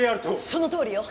そのとおりよ！